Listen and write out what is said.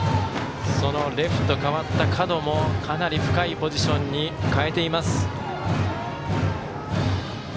レフト、代わった角もかなり深いポジションに変えています。